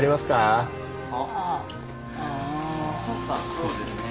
そうですね。